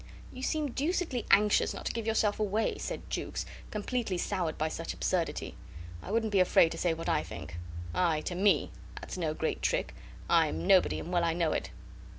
"You seem deucedly anxious not to give yourself away," said Jukes, completely soured by such absurdity. "I wouldn't be afraid to say what I think." "Aye, to me! That's no great trick. I am nobody, and well I know it."